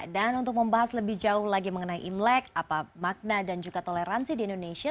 dan untuk membahas lebih jauh lagi mengenai imlek apa makna dan juga toleransi di indonesia